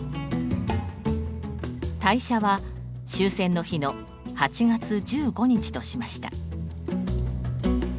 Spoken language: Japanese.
退社の時期は終戦日の８月１５日としました。